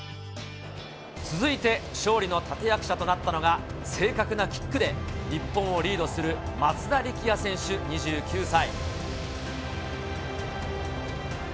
続いて、勝利の立て役者となったのが、正確なキックで日本をリードする松田力也選手２９歳。